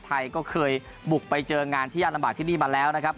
ไทยก็เคยบุกไปเจองานที่ยากลำบากที่นี่มาแล้วนะครับ